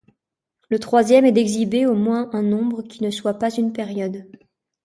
Le troisième est d'exhiber au moins un nombre qui ne soit pas une période.